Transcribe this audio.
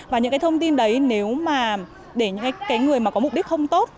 và những cái thông tin đấy nếu mà để những cái người mà có mục đích không tốt